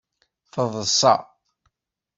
Teḍsa.